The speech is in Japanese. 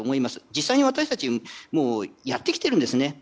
実際に、私たちもうやってきているんですね。